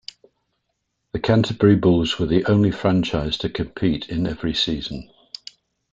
The Canterbury Bulls were the only franchise to compete in every season.